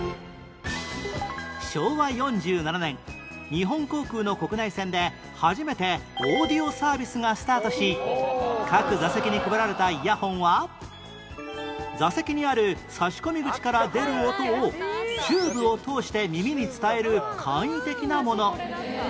昭和４７年日本航空の国内線で初めてオーディオサービスがスタートし各座席に配られたイヤホンは座席にある差し込み口から出る音をチューブを通して耳に伝える簡易的なもの